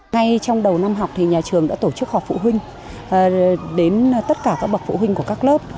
ngay trong đầu năm học thì nhà trường đã tổ chức học phụ huynh đến tất cả các bậc phụ huynh của các lớp